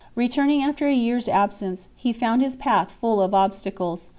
Re turning after a year s absence, he found his path full of obstacles.